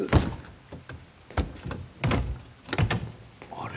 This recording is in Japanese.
あれ？